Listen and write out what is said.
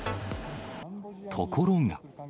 ところが。